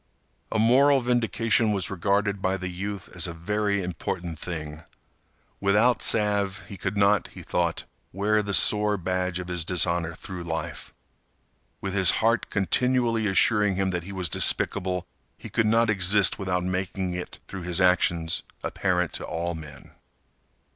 A moral vindication was regarded by the youth as a very important thing. Without salve, he could not, he thought, wear the sore badge of his dishonor through life. With his heart continually assuring him that he was despicable, he could not exist without making it, through his actions, apparent to all men.